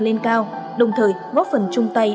lên cao đồng thời góp phần chung tay